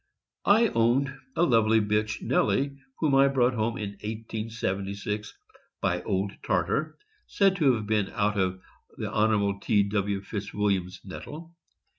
I owned a lovely bitch, Nellie, whom I brought home in 1876, by Old Tartar, said to have been out of Hon. .T. W. Fitz Williams' Nettle.